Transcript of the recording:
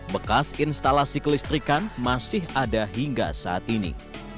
bekas instalasi kelistrikan masih ada hingga saat ini